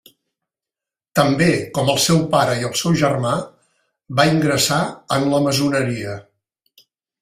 També, com el seu pare i el seu germà, va ingressar en la maçoneria.